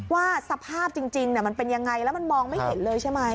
ว่าสภาพจริงมันเป็นยังไงแล้วมันมองไม่เห็นเลยใช่ไหม